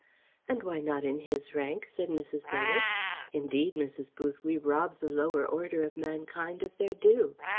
"And why not in his rank?" said Mrs. Bennet. "Indeed, Mrs. Booth, we rob the lower order of mankind of their due.